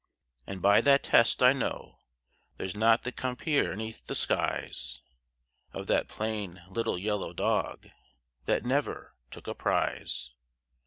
And by that test I know there's not the compeer 'neath the skies Of that plain little yellow dog that never took a prize.